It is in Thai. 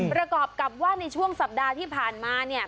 ประกอบกับว่าในช่วงสัปดาห์ที่ผ่านมาเนี่ย